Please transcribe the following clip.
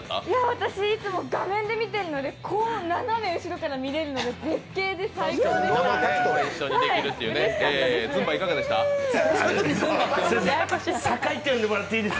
私いつも画面で見てるので斜め後ろから見れるのが絶景で最高でした、うれしかったです。